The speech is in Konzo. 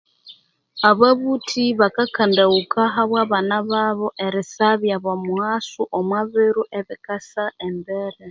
Aba buthi baka kandaghuka habwa bana babu erisabya bamughaso omu biro ebikasa embere